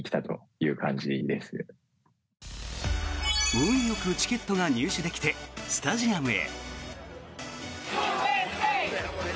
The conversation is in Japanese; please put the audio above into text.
運よくチケットが入手できてスタジアムへ。